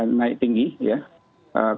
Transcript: kalau naik tinggi harus segera konsultasi